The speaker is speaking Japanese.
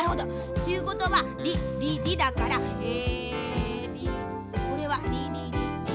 っていうことはりりりだからえりこれはりりり。